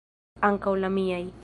Ankaŭ la miaj!